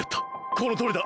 このとおりだ。